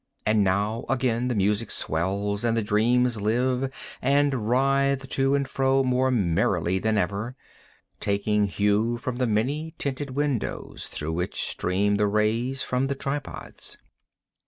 And now again the music swells, and the dreams live, and writhe to and fro more merrily than ever, taking hue from the many tinted windows through which stream the rays from the tripods.